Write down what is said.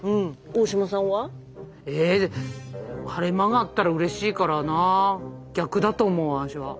大島さんは？え晴れ間があったらうれしいからなあ逆だと思う私は。